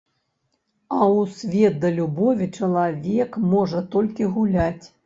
А ў свет да любові чалавек можа толькі гуляць.